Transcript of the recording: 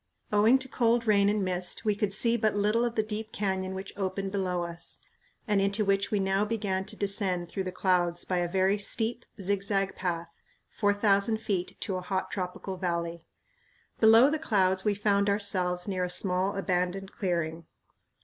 Owing to cold rain and mist we could see but little of the deep canyon which opened below us, and into which we now began to descend through the clouds by a very steep, zigzag path, four thousand feet to a hot tropical valley. Below the clouds we found ourselves near a small abandoned clearing.